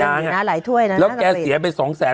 ไม่เลวนะหลายถ้วยนะระบบอีกแล้วแกเสียไป๒๐๐๐๐๐บาท